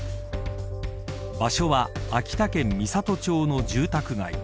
場所は秋田県美郷町の住宅街。